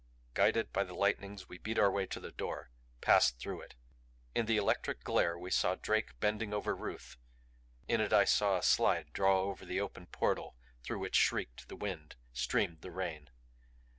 Guided by the lightnings, we beat our way to the door; passed through it. In the electric glare we saw Drake bending over Ruth. In it I saw a slide draw over the open portal through which shrieked the wind, streamed the rain.